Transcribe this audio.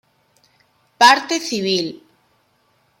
Parte Civil.